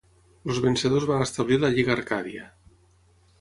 Els vencedors van establir la Lliga Arcàdia.